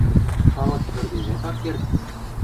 Халык ӧрдежӓт ак керд.